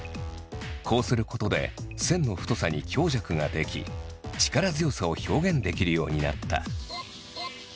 こうすることで線の太さに強弱が出来力強さを表現できるようになった。